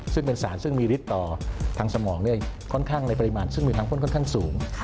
ซึ่งเป็นสารซึ่งมีฤทธิ์ต่อทางสมองค่อนข้างในปริมาณซึ่งมีทางพ่นค่อนข้างสูง